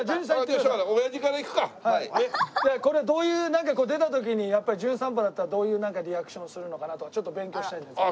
これどういうなんかこう出た時に『じゅん散歩』だったらどういうリアクションするのかなとかちょっと勉強したいので。